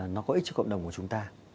nó có ích cho cộng đồng của chúng ta